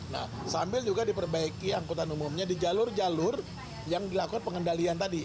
nah sambil juga diperbaiki angkutan umumnya di jalur jalur yang dilakukan pengendalian tadi